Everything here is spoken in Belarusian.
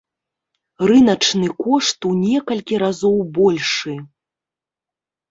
Рыначны кошт у некалькі разоў большы.